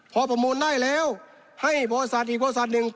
พอประมูลได้แล้วให้บริษัทอีกบริษัทหนึ่ง